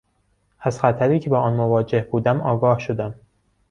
از خطری که با آن مواجه بودم آگاه شدم.